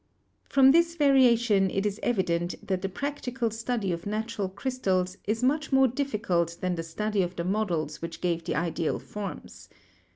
From this variation it is evident that the practical study of natural crystals is much more difficult than the study of the models which gave the ideal forms.